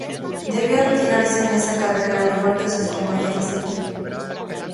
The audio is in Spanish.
Debió retirarse en esa carrera al igual que sus compañeros de equipo.